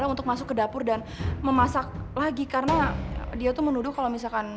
untuk masuk ke dapur dan memasak lagi karena dia tuh menuduh kalau misalkan